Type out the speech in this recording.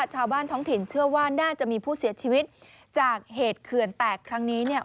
ชาวบ้านท้องถิ่นเชื่อว่าน่าจะมีผู้เสียชีวิตจากเหตุเขื่อนแตกครั้งนี้เนี่ย